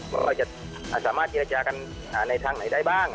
ว่าเราจะสามารถเจรจากันหาในทางไหนได้บ้าง